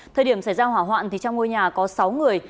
thời điểm xảy ra hỏa hoạn trong ngôi nhà có sáu người